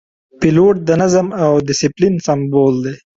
پیلوټ د نظم او دسپلین سمبول دی.